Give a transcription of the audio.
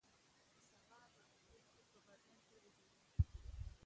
سبا به خپل دوست په بازار کی وګورم